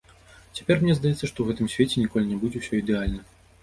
Цяпер мне здаецца, што ў гэтым свеце ніколі не будзе ўсё ідэальна.